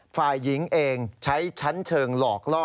ฝ่ายหญิงเองใช้ชั้นเชิงหลอกล่อ